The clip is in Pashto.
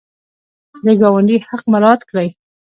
د ګاونډي حق مراعات کړئ